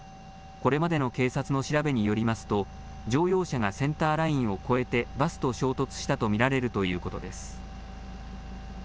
これまでの警察の調べによりますと、乗用車がセンターラインを越えて、バスと衝突したと見られるということです。